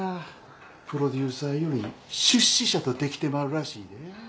プロデューサーより出資者とできてまうらしいで。